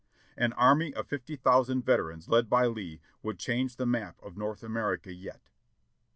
An army of fifty thousand veterans led by Lee will change the map of North America yet."